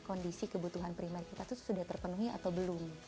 kondisi kebutuhan primar kita tuh sudah terpenuhi atau belum